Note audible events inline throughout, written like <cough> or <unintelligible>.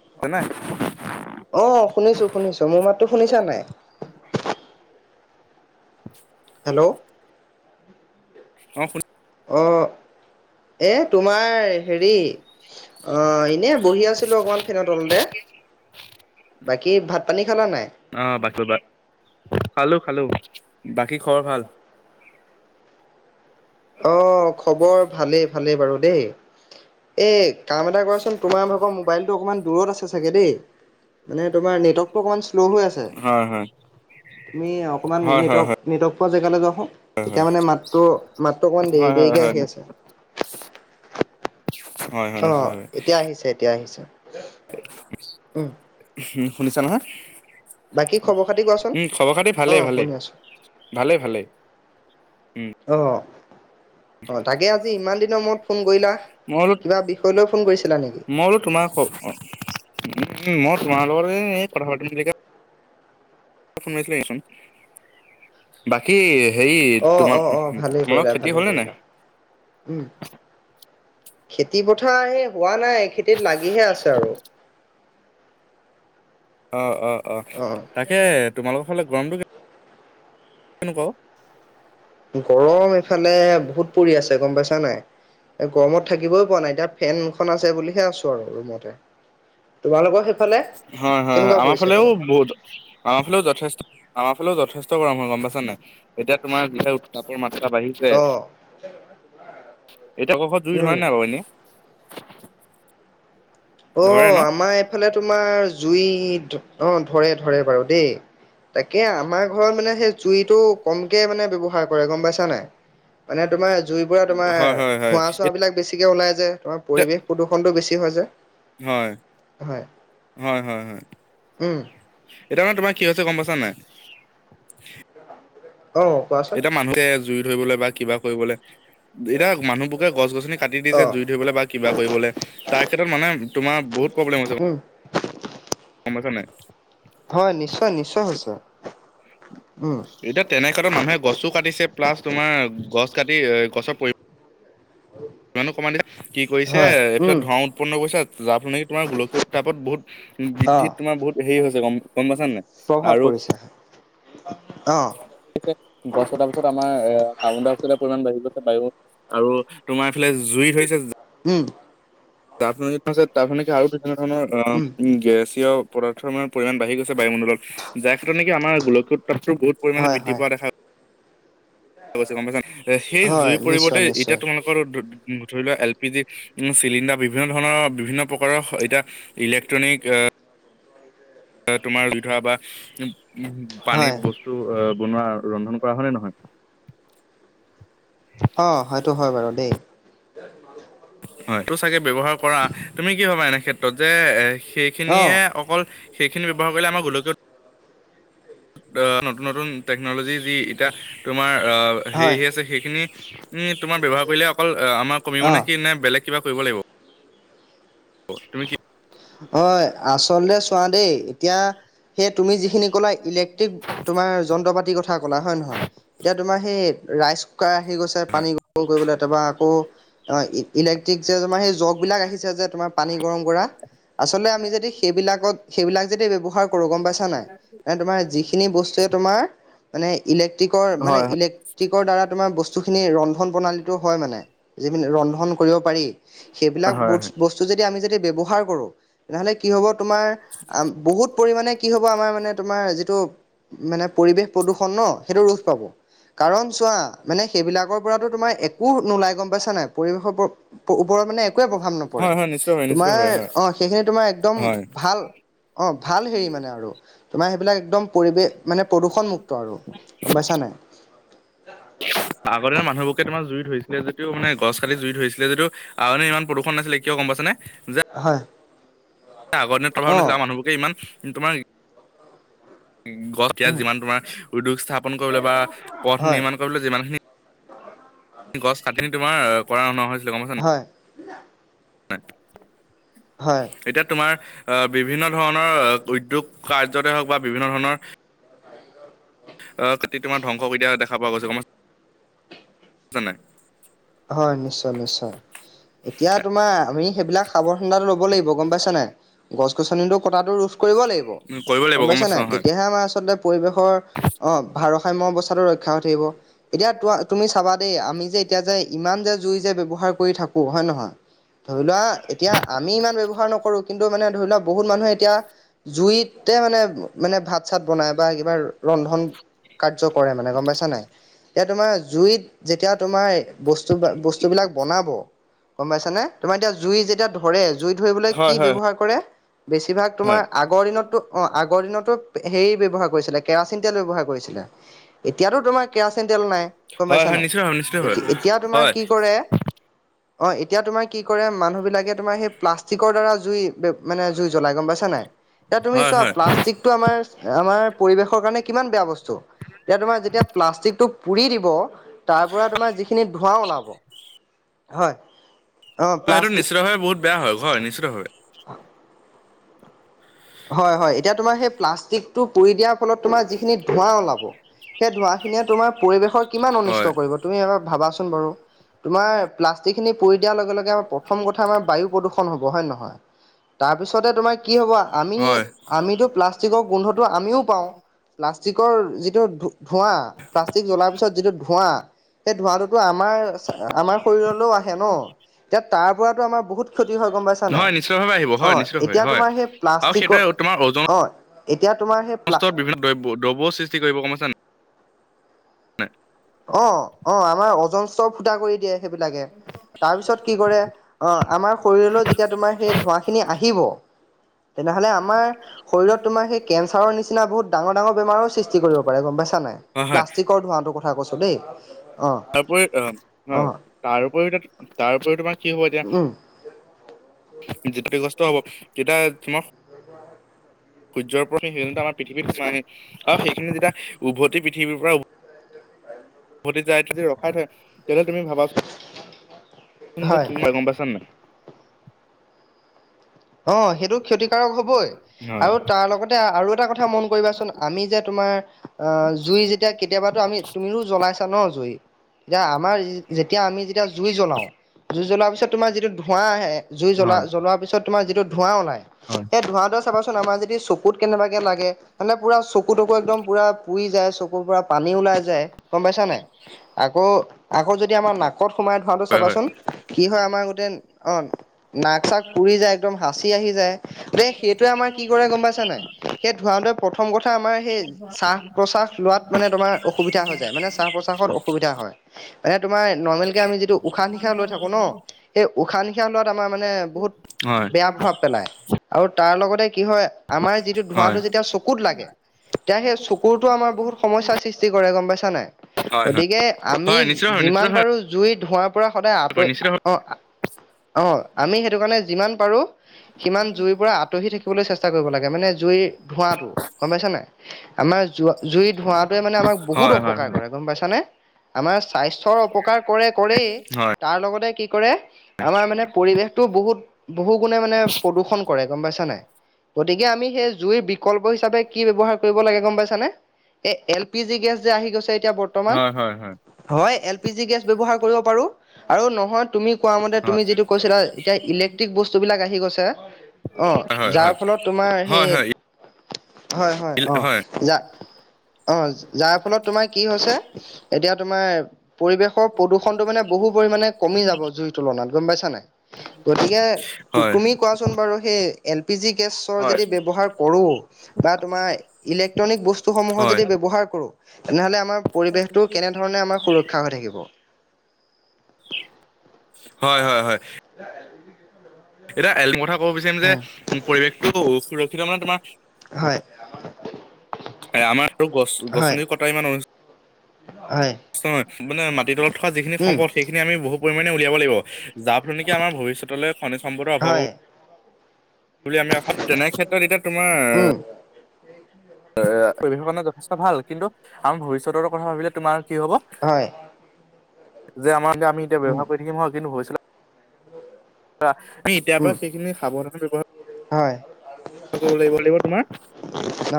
<unintelligible> অ', শুনিছো-শুনিছো, মোৰ মাততো শুনিছা নাই? হেল্ল'? অ', শুন অ', এ তোমাৰ হেৰি অ', ইনে বহি আছিলো অকমান ফেনত। তলতে, বাকী ভাত - পানী খালা নাই? অ বাক বা, খালো খালো, বাকী খবৰ ভাল? অ খবৰ ভালেই ভালেই বাৰু দেই, এ কাম এটা কৰাচো সেই তোমালোকৰ মোবাইলটো অকণমান দূৰত আছে চাগে দেই? মানে তোমাৰ নেটৱৰ্কটো অকণমান শ্ল' হৈ আছে, হয় হয় তুমি অকণমান হয় হয় হয় নেটৱৰ্ক নেটৱৰ্ক পোৱা জেগালৈ যাওঁচোন তেতিয়া মানে মাতটো মাতটো অকণমান দেৰি দেৰিকে হয়-হয়-হয়। আহি আছে অ', এতিয়া আহিছে, এতিয়া আহিছে, উম। হুহ, শুনিছা নহয়? বাকী খবৰ খাতি কোৱাচোন উম, খবৰ খাতি অ', ভালেই-ভালে, শুনি আছো ভালে-ভালে। অ'। অ তাকে আজি ইমান দিনৰ মূৰত ফোন মই কৰিলা। বোলো কিবা বিষয় লৈ ফোন কৰিছিলা নেকি? মই বোলো তোমাৰ ক অ উম মই তোমাৰ লগত এই-এই কথা পাতিম বুলিকে ফোন মাৰিছিলেচোন? বাকী হেৰি অ অ অ ভালেই তোমাৰ-তোমালোকৰ কৰিলা খেতি ভালে হ'ল নে কৰিলা। নাই? উম, খেতি পথাৰ এ হোৱা নাই খেতিত লাগিহে আছে আৰু। অ', অ', অ', তাকে তোমালোকৰ ফালে গৰমটো কে - কেনেকুৱা অ? গৰম এইফালে বহুত পৰি আছে, গম পাইছা নাই? এ গৰমত থাকিবই পৰা নাই এতিয়া ফেনখন আছে বুলিহে আছো আৰু ৰুমতে। তোমালোকৰ সেইফ হয়-হয়-হয়, আমাৰ ফালেও বহুত আমাৰ ফালেও যথেষ্ট, আমাৰ ফালেও যথেষ্ট গৰম হয় গম পাইছা নাই? এতিয়া তোমাৰ যিহে উত্তাপৰ মাত্ৰা বাঢ়ি চে, অ এতিয়া কৰবাত জুই উম। ধৰে নাই বাৰু ইনে? অ', ধৰে ন আমাৰ এইফালে তোমাৰ জুই ধ অ' ধৰে-ধৰে বাৰু দেই। তাকে আমাৰ ঘৰত মানে সেই জুইটো কমকে মানে ব্যৱহাৰ কৰে গম পাইছা নাই? মানে তোমাৰ জুইৰ পৰা তোমাৰ হয় হয় হয় ধোঁৱা-চোৱাবিলাক বেছিকৈ ওলাই যে তোমাৰ এতিয়া পৰিৱেশ প্ৰদূষণটো বেছি হৈ যায়। হয়, হয়-হয়-হয়। উম এতিয়া মানে তোমাৰ কি হৈছে গম পাইছা নাই। অ কোৱাচোন এতিয়া মানুহে জুই ধৰিবলে বা কিবা কৰিবলে এতিয়া মানুহবোকে গছ গছনি কাটি দিছে অ' জুই ধৰিবলৈ বা কিবা কৰিবলে তাৰ ক্ষেত্ৰত মানে তোমাৰ বহুত প্ৰব্লেম হৈছে উম, গম পাইছা নাই। হয় নিশ্চয় নিশ্চয় হৈছে উম। এতিয়া তেনে ক্ষেত্ৰত মানুহে গছো কাঢ়িছে প্লাছ তোমাৰ গছ কাটি এ গছৰ পৰি ইমাণো কমায় দিছে কি কৰিছে হয় এ এইফালত উম ধোঁৱাও উৎপন্ন কৰিছে যাৰ ফল নেকি তোমাৰ গোলকীয় উত্তাপত বহুত বৃদ্ধিত অ' তোমাৰ বহুত হেৰি হৈছে গম গম পাইছা নাই। প্ৰভাৱ আৰু পৰিছে অ, গছ কটাৰ পিছত আমাৰ এ কাৰ্বনডাই অক্সাইডৰ পৰিমাণ বাঢ়ি গৈছে বায়ুত আৰু তোমাৰ এইফালে জুই ধৰিছে জ উম। যাৰ ফলত নেকি <unintelligible> তেনেকুৱা ধৰণৰ আ উম গেছীয় পদাৰ্থৰ মানে পৰিমাণ বাঢ়ি গছে বায়ুণ্ডলত যাৰ ক্ষেত্ৰত নেকি আমাৰ গোলীয় উত্তাপতো বহুত পৰিমানে হয় বৃদ্ধি হয় পোৱা দেখা গম পাইছা সেই হয় জুই নিশ্চয় পৰিৰ্তে এতিয়া নিশ্চয় তোমালোকে, ধৰি লোৱা এল পি জি উ চিলিণ্ডাৰ বিভিন্ন ধৰণৰ বিভিন্ন প্ৰকাৰৰ এতিয়া। ইলেক্ট্ৰনিক আ তোমাৰ জুই ধৰা বা উ পানী হয় বস্তু আহ বনোৱা ৰন্ধন কৰা হয়নে নহয়। অ সেইটো হয় বাৰু দেই। হয় এইটো চাগে ব্যয়ৱহাৰ কৰা তুমি কি ভবা এনে ক্ষেত্ৰত যে এ, অ' সেইখিনিয়ে অকল সেইখিনি ব্যৱহাৰ কৰিলে আমাৰ গোলকীয় অ নতুন নতুন টেকনলজি যি এতিয়া তোমাৰ অ হয় হেৰি আছে। সেইখিনি উ তোমাৰ ব্যৱহাৰ কৰিলে অকল আমাৰ কমিব অ'। নে কি নে বেলেগ কিবা কৰিব লাগিব। অ তুমি কি, হয় আচলতে চোৱা দেই এতিয়া সেই তুমি যিখিনি ক'লা ইলে তোমাৰ যন্ত্ৰ পাতি কথা ক'লা হয় নে নহয় এতিয়া তোমাৰ সেই ৰাই শুকাই আহি গৈছে হয়? পানী গৰল কৰিবলৈ কেতিয়াবা আকৌ, অঁ ইলেক্ট্ৰিক যে তোমাৰ সেই জগবিলাক আহিছে যে তোমাৰ পানী গৰম কৰা। আচলতে আমি যদি সেইবিলাকত সেইবিলাক যদি ব্যৱহাৰ কৰো গম পাইছা নাই। মানে তোমাৰ যিখিনি বস্তুৱে তোমাৰ মানে, ইলেক্ট্ৰিকৰ মানে হয় ইলেক্ট্ৰিকৰ দ্বাৰা তোমাৰ বস্তুখিনি ৰন্ধন প্ৰণালীটো হয় মানে। যি ৰন্ধন কৰিব পাৰি হয় সেইবিলাক হয় হয়। বস্তু যদি আমি যদি ব্যৱহাৰ কৰো। তেনেহলে কি হব তোমাৰ বহুত পৰিমামানে কি হব আমাৰ মানে, তোমাৰ যিটো মানে পৰিৱেশ প্ৰদূষণ ন সেইটো ৰোধ পাব। কাৰণ চোৱা মানে সেইবিলাকৰ পৰাতো তোমাৰ একো নোলাই গম পাইছা নাই পৰিৱেশৰ পৰা। ওপৰত মানে একোৱে প্ৰভাৱ নপৰে হয় হয় নিশ্চয় হয় নিশ্চিত হয় তোমাৰ হয় অ সেইখিনি তোমাৰ একদম, হয়। ভাল অঁ ভাল হেৰি মানে আৰু তোমাৰ সেইবিলাক একদম পৰিৱেশ। মানে প্ৰদূষণমুক্ত আৰু গম পাইছা নাই। আগৰ দিনৰ মানুহবোৰকে তোমাৰ জুই ধৰিছিলে যদিটো মানে গছ কালি জুই ধৰিছিলে যদিও, আগতে ইমান প্ৰদূষণ নাছিলে কিয় গম পাইছেনে যে। হয়। আগৰ দিনত প্ৰভাৱ অ নাছিলে আও মানুহবোৰকে ইমান তোমাৰ গ গছ ইয়াক যিমান তোমাৰ উদ্যোগ স্থাপন কৰিবলৈ বা পথ হয় নিৰ্মাণ কৰিবলৈ যিমানখিনি। গছ কাটনি তোমাৰ কৰা নহৈছিলে গম পাই হয়। <unintelligible> হয় এতিয়া তোমাৰ। আহ বিভিন্ন ধৰণৰ উদ্যোগ কাৰ্যতে হওক বা বিভিন্ন ধৰণৰ। আহ খেতি তোমাৰ ধ্বংস কৰি দিয়া দেখা পোৱা গৈছে গম পাই ছা নাই। হয় নিশ্চয় -নিশ্চয়। এতিয়া তোমাৰ আমি সেইবিলাক সাৱধানতাটো ল'ব লাগিব গম পাইছা নাই? গছ গছনিতো কটাটো ৰোধ কৰিব লাগিব কৰিব লাগিব গম পাইছা নাই হয়। তেতিয়াহে আমাৰ আচলতে পৰিৱেশৰ। <unintelligible> অ', ভাৰসাম্য অৱস্থাতো ৰক্ষা হৈ থাকিব। এতিয়া টোৱা তুমি চাবা দেই আমি যে এতিয়া যে ইমান যে জুই যে ব্যৱহাৰ কৰি থাকো হয় নহয়। ধৰি লোৱা এতিয়া আমি ইমান ব্যৱহাৰ নকৰো। কিন্তু মানে ধৰি লওক বহুত মানুহে এতিয়া জুইতে মানে মানে ভাত চাত বনায় বা কিবা ৰ ৰন্ধন কাৰ্য কৰে মানে গম পাইছা নাই এতিয়া তোমাৰ জুইত যেতিয়া তোমাৰ। বস্তু বস্তু বিলাক বনাব গম পাইছানে তোমাৰ এতিয়া জুই যেতিয়া ধৰে জুই ধৰিবলৈ কি হয় হয় ব্যৱহাৰ কৰে বেছিভাগ তোমাৰ হয় আগ আগৰ দিনতো অ', আগৰ দিনতো হেৰি ব্যৱহাৰ কৰিছিলে। কেৰাচিন তেল ব্যৱহাৰ কৰিছিলে এতিয়াতো তোমাৰ কেৰাচিন তেল নাই গম হয় পাইছা হয় নাই নিশ্চিত ভাৱে নিশ্চিত ভাৱে এটি এটি এতিয়া তোমাৰ হয় কি কৰে? অ', এতিয়া তোমাৰ কি কৰে মানুহবিলাকে তোমাৰ সেই প্লাষ্টিকৰ দ্বাৰা জুই বেব মানে জুই জ্বলাই গম পাইছা নাই। এতিয়া তুমি হয় চোৱা হয়। হয় প্লাষ্টিকটো আমাৰ আমাৰ পৰিৱেশৰ কাৰণে কিমান বেয়া বস্তু। এতিয়া তোমাৰ যেতিয়া। প্লাষ্টিকটো পুৰি দিব তাৰ পৰা তোমাৰ যিখিনি ধোঁৱ ওলাব। হয়। অ হয়, সেইটো প্লাষ্টিক নিশ্চিতভাৱে বহুত বেয়া হয় নিশ্চিতভাৱে। হয়- হয়, এতিয়া তোমাৰ সেই প্লাষ্টিক। টো পুৰি দিয়াৰ ফলত তোমাৰ যিখিনি ধোৱা ওলাব সেই ধোৱা খিনিয়ে তোমাৰ পৰিবেশৰ কিমান অনিষ্ট হয় কৰিব। তুমি এবাৰ ভাবাচোন বাৰু তুমাৰ প্লাষ্টিক খিনি পুৰি দিয়াৰ লগে লগে আমাৰ প্ৰথম কথা আমাৰ বায়ু প্ৰদূষ ষণ হ'ব হয়- নহয় তাৰ পিছতে তোমাৰ কি হ'বা আমি হয়। আমিটো প্লাষ্টিকৰ গোন্ধটো আমিও পাওঁ প্লাষ্টিকৰ যিটো ঢো ধোঁৱা প্লাষ্টিক জ্বলাৰ পিছত যিটো ধোঁৱা। এই ধোঁৱা টো টো আমাৰ চা আমাৰ শৰীৰলৈও আহে ন। এতিয়া তাৰ পৰাতো আমাৰ বহুত ক্ষতি হয় গম পাইছা নাই হয় নিশ্চিতভাৱে আহিব হয় অ', নিশ্চিতভাৱে এতিয়া হয় তোমাৰ সেই প্লা আৰু প্লাস্তিকৰ সেইটোৱে অ', এতিয়া তোমাৰ সেই প্লা স্তৰ বিভিন্ন দ্ৰব দ্ৰব্য সৃষ্টি কৰিব গম পাইছা নাই। অ', অ', আমাৰ অজস্ৰ ফুটা কৰি দিয়ে সেইবিলাকে তাৰপিছত কি কৰে অ', আমাৰ শৰীৰলৈ যেতিয়া তোমাৰ সেই ধোঁৱা খিনি আহিব। <inaudible> তেনেহ'লে আমাৰ। শৰীৰত তোমাৰ সেই কেঞ্চাৰৰ নিচিনা বহুত ডাঙৰ ডাঙৰ বেমাৰো সৃষ্টি কৰিব পাৰে গম পাইছা নাই অ', হয় প্লাষ্টিকৰ ধোঁৱটোৰ কথা কৈছো দেই। অ', তাৰ উপৰি অ', হয় অ', তাৰ উপৰিও টো ত তাৰ উপৰিও তোমাৰ কি হ'ব এতিয়া উম, যিটো কষ্ট হ'ব তেতয়া তোমাৰ সূৰ্যৰও সেই সেই আমাৰ পৃথিৱীত পিচ আহে আৰু সেইখিনি যেতিয়া উভতি পৃথিৱীৰ পৰা হয় যায় তেতিয়া ৰখাই থয় তেয়াহলে তুমি ভাবা চোন তুম যো হয়। কি মা গম পাছ নাই <unintelligible> অ সেইটো ক্ষতিকাৰক হবই হয়। আৰু তাৰ লগতে আৰু এটা কথা মন কৰিবাচোন আমি যে তোমাৰ অ জুই যেতিয়া কেতিয়াবাতো আমি তুমিও জ্বলাইছ ছা ন জুই তেতিয়া আমাৰ যেতিয়া আমি যেতিয়া জুই জ্বলাও জুই জ্বলোৱাৰ পিছত তোমাৰ যিটো ধোঁৱা আহ জুই জ্বলা হয়, জ্বলোৱাৰ পিছত তোমাৰ ধোঁৱা যিটো ওলায় হয় সেই ধোৱাটো চাবাচোন আমাৰ যদি চকুত কেনেবাকে লাগে মানে পুৰা চকু তকু একদম পুৰা পুৰি যায় চকুৰ পৰা পানী ওলাই যায় গম পাইছা নাই আকৌ আকৌ যদি আমাৰ নাকত সোমাই খাহ টো হয়, চাবাচোন কি হয় আমাৰ গোটেই অ নাক চাক পুৰি যায় একদম হাঁচি আহি যায় যে সেইটোৱে আমাৰ কি কৰে গম পাইছা নাই সেই ধোৱাটোৱে প্ৰথম কথা আমাৰ সেই চাহ প্ৰশ্বাস লোৱাত মানে তোমাৰ অসুবিধা হৈ যায় মানে চাহ প্ৰশ্বাসত অসুবিধা হয় মানে তোমাৰ নৰ্মেলকে আমি যিটো উশাহ নিশাহও লৈ থাকো ন সেই উশাহ নিশাহ লোৱাত আমাৰ মানে বহুত হয়, বেয়া প্ৰভাৱ পেলায় আৰু তাৰ লগতে কি হয় আমাৰ যিটো হয়, ধোঁৱাটো যেতিয়া চকুত লাগে এতিয়া সেই চকুৰতো আমাৰ বহুত সমস্যাৰ সৃষ্টি কৰে গম পাইছা নাই হয়, হয়, গতিকে আমি হয় নিশ্চিত ভাৱে নিশ্চিত যিমান ভাৱে পাৰো জুই ধোঁৱাৰ পৰা সদায় হয় আঁতৰি নিশ্চিত ভাৱে অ আ অ আমি সেইটো কাৰণে যিমান পাৰো সিমান জুইৰ পৰা আঁতসি থাকিবলৈ চেষ্টা কৰিব লাগে মানে জুইৰ ধোঁৱাটো গম পাইছা নাই আমাৰ জোৱা জুই ধোঁৱাতোৱে মানে আমাক হয়, বহুত হয়, অপকাৰ কৰে গম পাইছানে আমাৰ স্বাস্থ্যৰ অপকাৰ কৰে কৰেই হয়, হয়, হয়, তাৰ লগতে কি কৰে আমাৰ মানে পৰিৱেশ, টো বহুত বহু গুণে মানে প্ৰদূষণ কৰে গম পাইছা নাই! গতিকে আমি সেই জুইৰ বিকল্প হিচাপে কি ব্যৱহাৰ কৰিব লাগে গম পাইছানে! এ এল পি জি গেছ যে আহি গৈছে এতিয়া বৰ? হয় হয় হয়! হয়, এল পি জি গেছ ব্যৱহাৰ কৰিব পাৰো আৰু নহয় তুমি? কোৱা মতে <unintelligible> তুমি যিটো কৈছিলা এতিয়া ইলেক্ট্ৰিক বস্তু বিলাক আহি গৈছে! অ যাৰ ফলত তোমাৰ সেই হয় হয় অ যা অ যাৰ ফলত তোমাৰ কি হছে এতিয়া তোমাৰ পৰিৱেশৰ প্ৰদূষণটো মানে বহু পৰিমাণে কমি যাব জুইৰ তুলনাত গম পাইছা নাই গতিকে, হয়, টো হয়, তুমি কোৱাচোন বাৰু সেই! এল পি জি গেছৰ হয়, যদি ব্যৱহাৰ কৰোঁ বা তোমাৰ ইলেক্ট্ৰনিক বস স্তুসমূহৰ হয়, যদি ব্যৱহাৰ কৰোঁ তেনেহ'লে আমাৰ পৰিৱেশটো কেনেধৰণে আমাৰ সুৰক্ষা হৈ থাকিব! হয় হয় হয়! <unintelligible> এতিয়া এল ম কথা কব বিচাৰিম যে পৰিৱেশটো সুৰক্ষিত মানে তোমাৰ হয়! আমাৰতো গছ হয়, গছনিৰ কটা ইমান অনু, হয় নহয় মানে মাটি তলত থকা যিখিনি উম, সম্পদ সেই খিনি আমি বহু পৰিমাণে উলিয়াব লাগিব, যাৰ ফলত আমাৰ ভবিষ্যতলৈ খনিজ সম্পদৰ অভাৱ হয়, বুলি আমি অসম তেনে ক্ষেত্ৰত এতিয়া তোমাৰ উম, এ পৰিৱেশ কৰণে যথেষ্ট ভাল, কিন্তু আমাৰ ভৱিষ্যতৰ কথা ভাবিলে তোমাৰ কি হব? হয়, যে আমাৰ যে আমি এতিয়া উম, ব্যৱহাৰ কৰি থাকিম হয়, কিন্তু ভৱিষ্যতে পৰা এতিয়াৰ পৰা উম, সেইখিনি সাৱধানে ব্যৱহাৰ হয় কৰিব লাগিব লাগিব তোমাৰ,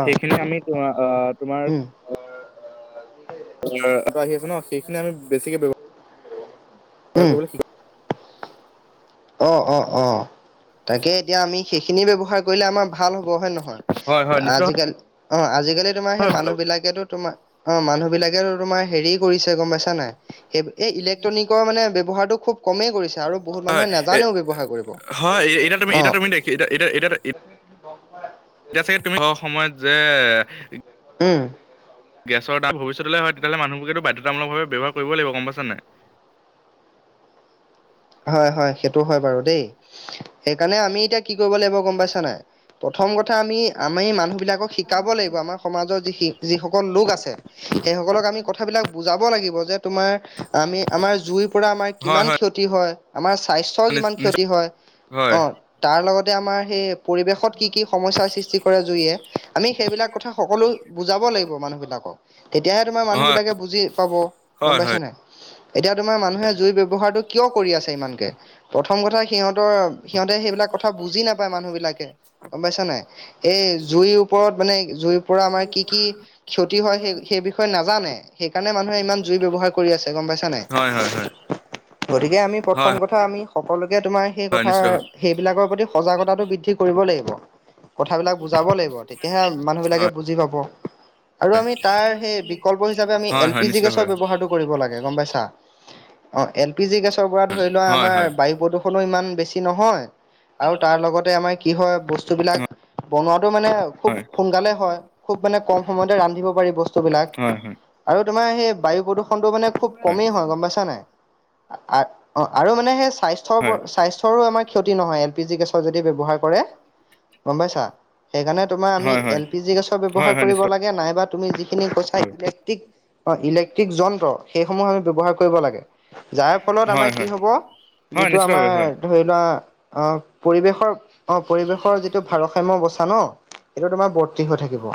অ', সেইখিনি আমি তোমাৰ আঁ তোমাৰ উম, এ আহি আছে ন, সেইখিনি আমি বেছিকে ব্যৱহাৰ‌‍ উম, কৰিব অঁ অঁ অঁ তাকে এতিয়া আমি সেইখিনি ব্যৱহাৰ কৰিলে আমাৰ ভাল হব হয় নহয় হয় হয় নিশ্চয় অঁ, আজি কালি তোমাৰ সেই হয় ভাল মানুহ হ'ব বিলাকে তো তোমাৰ অঁ মানুহ বিলাকে তোমাৰ হেৰি কৰিছে গম পাইছা নে নাই? হে এই ইলেক্ট্ৰনিকৰ মানে ব্যৱহাৰটো খুব কমেই কৰিছে আৰু বহুত হয় মানুহে না এ হয় এতিয়া তুমি এতিয়া অ', তুমি দেখ এতি এতিয়া, <unintelligible> এতিয়া চাগে তুমি স সময়ত যে উম গেছৰ দাম ভবিষ্যতেলৈ হয় তেতিয়া হলে মানুহ বোৰে বাধ্যতামূলক ভাৱে ব ব্যবহাৰ কৰিব লাগিব গম পাইছা নে নাই। হয় হয় সেইটো হয় বাৰু দেই, সেইকাৰণে আমি এতিয়া কি কৰিব লাগিব গম পাইছা নাই, প্ৰথম কথা আমি আমি মানুহ বিলাকক শিকাব লাগিব আমাৰ সমাজৰ যি যিসকল লোক আছে, সেই সকলক আমি কথাবিলাক বুজাব লাগিব যে তোমাৰ আমি আমাৰ জুইৰ পৰা আমাৰ কিমান ক্ষতি তি হয় আমাৰ স্বাস্থ্যৰ কিমান নিচ- ক্ষতি নিচ- হয়, হয় অঁ তাৰ লগতে আমাৰ সেই পৰিৱেশত কি কি সমস্যাৰ সৃষ্টি কৰে জুইয়ে, আমি সেইবিলাক কথা সকলো বুজাব লাগিব মানুহবিলাকক। তেতিয়াহে তোমাৰ মানুহ হয় বিলাকে বুজি পাব গম হয় পাইছা হয় নাই। এতিয়া তোমাৰ মানুহে জুই ব্যৱহাৰটো কিয় কৰি আছে ইমানকে প্ৰথম কথা সিহঁতৰ সিহঁতে সেইবিলাক কথা বুজি নাপায় মানুহ বিলাকে গম পাইছা নাই। এ জুইৰ ওপৰত মানে জুইৰ পৰা আমাৰ কি কি ক্ষতি হয় সেই সেই বিষয়ে। ষয়ে নাজানে সেইকাৰণে মানুহে ইমান জুই ব্যৱহাৰ কৰি আছে, গম পাইছা হয় নাই? হয় হয় গতিকে আমি, হয় প্ৰথম কথা আমি সকলোকে তোমাৰ সেই হয় কথা, নিশ্চিত হয় সেইবিলাকৰ প্ৰতি সজাগতাটো বৃদ্ধি কৰিব লাগিব। কথাবিলাক বুজাব লাগিব তেতিয়াহে মানুহবিলাকে বুজি পাব। আৰু আমি তাৰ সেই বিকল্প হিচাপে হয় আমি হয় এল হয় পি জি নিশ্চিত গেছৰ হয় ব্যৱহাৰটো কৰিব লাগে গম পাইছা? অঁ এল পি জি গেছৰ পৰা ধৰি লোৱা হয় আমাৰ হয় হয় বায়ু প্ৰদূষণো ইমান বেছি নহয়। আৰু তাৰ লগতে আমাৰ কি হয় বস্তুবিলাক বনোৱাটো মানে খুব হয় সোনকালে হয়। খুব মানে কম সময়তে ৰান্ধিব পাৰি বস্তুবিলাক। হয় হয়। আৰু তোমাৰ সেই বায়ু প্ৰদূষণটো মানে খুব কমেই হয় গম পাইছা নাই? অঁ আৰু মানে সেই স্বাস্থ্যৰ স্বাস্থ্যৰো আমাৰ ক্ষতি নহয়, এল পি জি গেছৰ যদি ব্যৱহাৰ কৰে গম পাইছা, সেই কাৰণে তোমা হয় অমি হয় হয় এল পি জি গেছৰ হয় ব্যৱহাৰ হয় কৰিব নিশ্চিত লাগ নাইব তুমি যি খিনি কৈছা ইলেক্ট্ৰিক। অঁ, ইলেক্ট্ৰিক যন্ত্ৰ সেইসমূহ আমি ব্যৱহাৰ কৰিব লাগে। যাৰ ফলত হয় আমাৰ কি হয় হ'ব হয় যিটো নিশ্চিতভাৱে হয় আমাৰ ধৰি লোৱা অঁ পৰিৱেশৰ অঁ পৰিৱেশৰ যিটো ভাৰসাম্য অৱস্থা ন এইটো তোমাৰ বৰ্তি হৈ থাকিব।